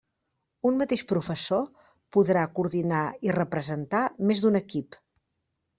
Un mateix professor podrà coordinar i representar més d'un equip.